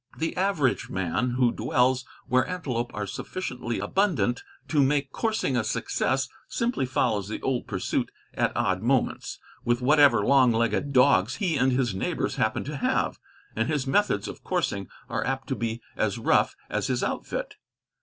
The average man who dwells where antelope are sufficiently abundant to make coursing a success, simply follows the pursuit at odd moments, with whatever long legged dogs he and his neighbors happen to have; and his methods of coursing are apt to be as rough as his outfit.